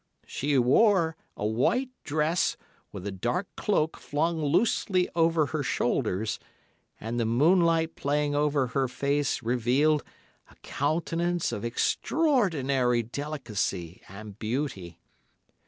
She wore a white dress with a dark cloak flung loosely over her shoulders, and the moonlight playing over her face revealed a countenance of extraordinary delicacy and beauty.